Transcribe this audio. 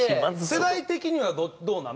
世代的にはどうなの？